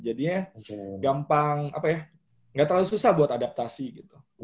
jadinya gampang nggak terlalu susah buat adaptasi gitu